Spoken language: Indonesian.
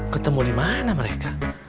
ketemu dimana mereka